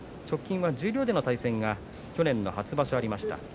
直近は十両での対戦が去年の初場所ありました。